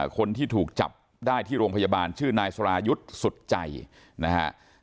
คนที่ถูกจับได้ที่โรงพยาบาลชื่อนายสรายุทธ์สุดใจนะฮะ